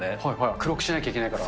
黒くしなきゃいけないから。